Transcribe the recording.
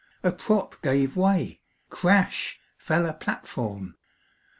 A prop gave way! crash fell a platform!